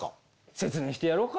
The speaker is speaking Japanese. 説明してやろうか。